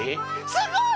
すごい！